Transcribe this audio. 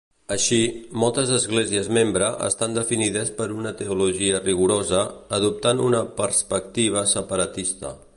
Així, moltes esglésies membre estan definides per una teologia rigorosa, adoptant una perspectiva separatista.